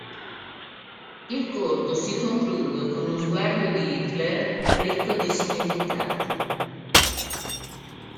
Il corto si conclude con un sguardo di Hitler ricco di significati.